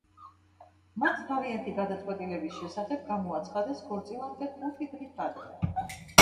მათ თავიანთი გადაწყვეტილების შესახებ გამოაცხადეს ქორწინამდე ხუთი დღით ადრე.